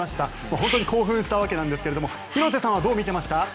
本当に興奮したわけですが広瀬さんはどう見ていました？